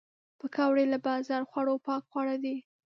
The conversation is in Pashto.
پکورې له بازار خوړو پاک خواړه دي